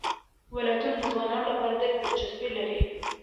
ولایتونه د ځوانانو لپاره ډېره دلچسپي لري.